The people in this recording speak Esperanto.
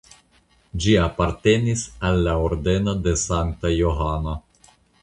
Ĝi apartenis al la Ordeno de Sankta Johano.